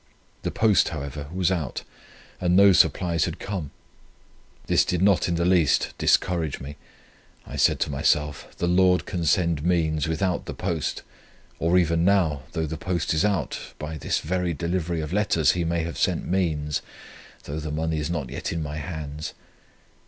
The post, however, was out, and no supplies had come. This did not in the least discourage me. I said to myself, the Lord can send means without the post, or even now, though the post is out, by this very delivery of letters He may have sent means, though the money is not yet in my hands.